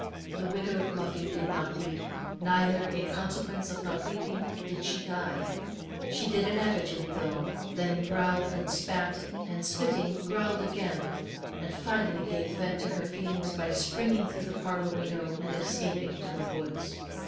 The widowed Muffie did not weep, neither, in consequence of not weeping, did she die; she did an attitude though, then growled and spat, and spitting growled again, and finally gave vent to her feelings by springing through the parlour window and escaping to the woods.